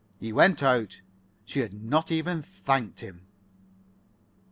He went out. She had not even thanked him.